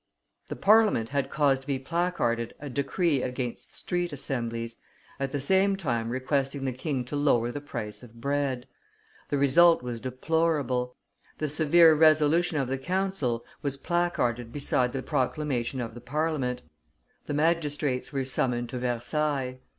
The Parliament had caused to be placarded a decree against street assemblies, at the same time requesting the king to lower the price of bread. The result was deplorable; the severe resolution, of the council was placarded beside the proclamation of the Parliament; the magistrates were summoned to Versailles.